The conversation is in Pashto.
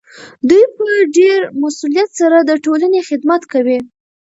دوی په ډیر مسؤلیت سره د ټولنې خدمت کوي.